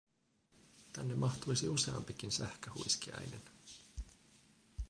Tänne mahtuisi useampikin sähköhuiskiainen.